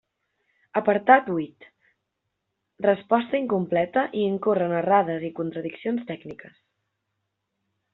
Apartat huit: resposta incompleta i incorre en errades i contradiccions tècniques.